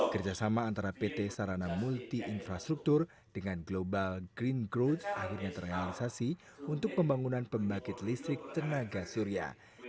kerjasama antara pt sarana multi infrastruktur dengan global green growth akhirnya terrealisasi untuk pembangunan pembangkit listrik tenaga surya